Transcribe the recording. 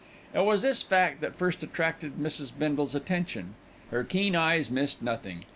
It was this fact that first attracted Mrs. Bindle's attention. Her keen eyes missed nothing.